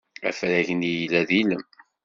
Afrag-nni yella d ilem.